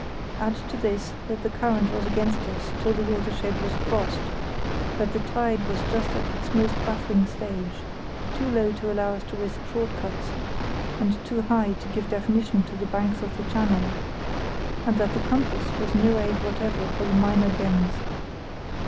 Add to this that the current was against us till the watershed was crossed; that the tide was just at its most baffling stage, too low to allow us to risk short cuts, and too high to give definition to the banks of the channel; and that the compass was no aid whatever for the minor bends.